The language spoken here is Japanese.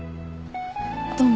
どうも。